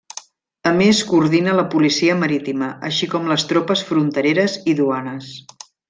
A més coordina la policia marítima, així com les tropes frontereres i duanes.